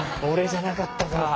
俺じゃなかったか。